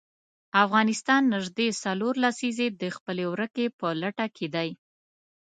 افغانستان نژدې څلور لسیزې د خپلې ورکې په لټه کې دی.